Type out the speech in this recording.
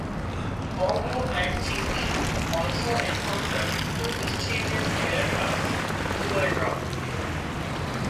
Bongo and Chimpy also encountered two mischievous bear cubs who were dropped.